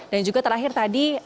dan juga terakhir tadi